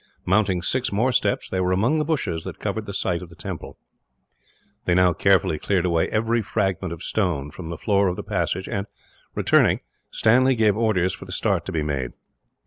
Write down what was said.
Mounting six more steps, they were among the bushes that covered the site of the temple. They now carefully cleared away every fragment of stone from the floor of the passage and, returning, Stanley gave orders for the start to be made.